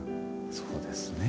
そうですね。